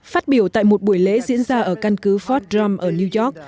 phát biểu tại một buổi lễ diễn ra ở căn cứ fort drum ở new york